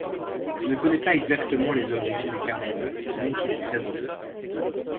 On ne connait pas exactement les origines du carnaval, sinon qu’il est très ancien.